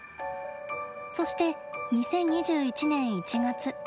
そして、２０２１年１月。